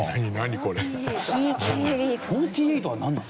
４８はなんなの？